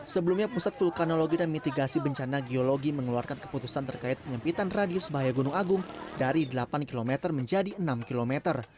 sebelumnya pusat vulkanologi dan mitigasi bencana geologi mengeluarkan keputusan terkait penyempitan radius bahaya gunung agung dari delapan km menjadi enam km